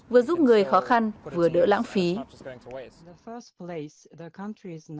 vừa giúp người khó khăn vừa đỡ lãng phí